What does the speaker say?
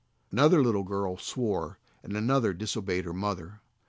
Another little girl swore, and another dis obeyed her mother.